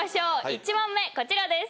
１問目こちらです。